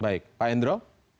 baik pak endro